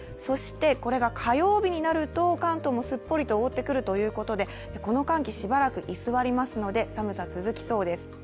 そして、火曜日になると関東もすっぽり覆ってくるということでこの寒気しばらく居座りますので、寒さ続きそうです。